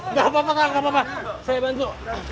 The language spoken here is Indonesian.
nggak apa apa pak nggak apa apa saya bantu